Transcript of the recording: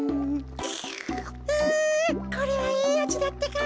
うんこれはいいあじだってか。